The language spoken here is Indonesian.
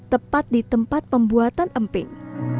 tepat di tempat pembuatan emping